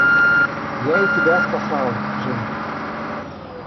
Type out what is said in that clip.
Я и тебя спасал, Джим.